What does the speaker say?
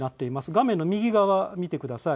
画面の右側を見てください。